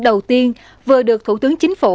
đầu tiên vừa được thủ tướng chính phủ